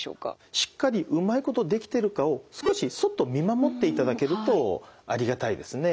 しっかりうまいことできてるかを少しそっと見守っていただけるとありがたいですね。